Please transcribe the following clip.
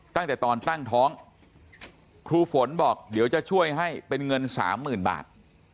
ตั้งแต่ตอนตั้งท้องครูฝนบอกเดี๋ยวจะช่วยให้เป็นเงินสามหมื่นบาท